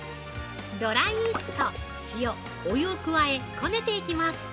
ドライイースト、塩、お湯を加えこねていきます。